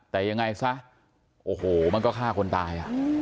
แต่ยังไงซะโอ้โหมันก็ฆ่าคนตาย